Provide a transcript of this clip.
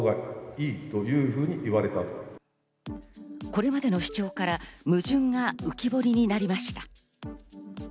これまでの主張から矛盾が浮き彫りになりました。